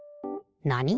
なに？